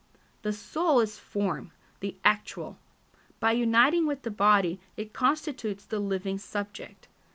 The soul is form, the actual. By uniting with the body it constitutes the living subject.